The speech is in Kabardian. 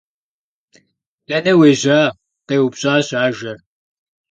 - Дэнэ уежьа? - къеупщӏащ ажэр.